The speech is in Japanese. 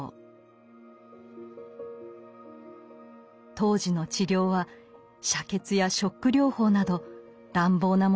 当時の治療は瀉血やショック療法など乱暴なものでした。